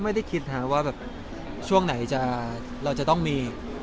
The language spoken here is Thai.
ไม่ได้คิดฮะว่าแบบช่วงไหนเราจะต้องมี